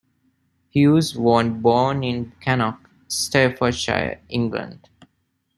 Hughes was born in Cannock, Staffordshire, England.